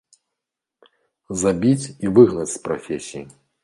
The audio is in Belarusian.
Забіць і выгнаць з прафесіі!